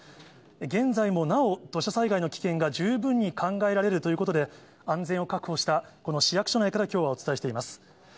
現在もなお、土砂災害の危険が十分に考えられるということで、安全を確保した、この市役所内から、きょうはお伝えしています。